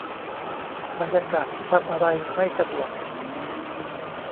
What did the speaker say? บรรยากาศที่ทำอะไรไม่สะดวก